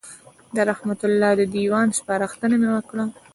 د رحمت الله د دېوان سپارښتنه مې وکړه.